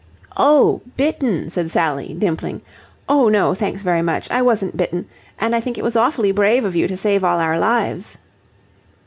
"Oh, bitten!" said Sally, dimpling. "Oh, no, thanks very much. I wasn't bitten. And I think it was awfully brave of you to save all our lives."